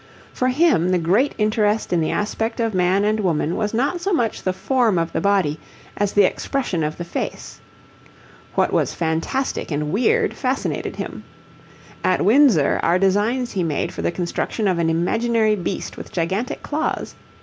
For him the great interest in the aspect of man and woman was not so much the form of the body as the expression of the face. What was fantastic and weird fascinated him. At Windsor are designs he made for the construction of an imaginary beast with gigantic claws.